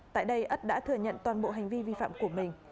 tại đây ất đã thừa nhận toàn bộ hành vi vi phạm của mình